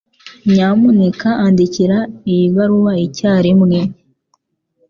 Nyamuneka andikira iyi baruwa icyarimwe.